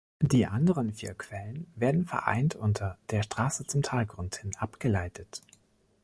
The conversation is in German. Die anderen vier Quellen werden vereint unter der Straße zum Talgrund hin abgeleitet.